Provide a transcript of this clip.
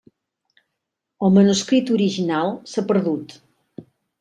El manuscrit original s'ha perdut.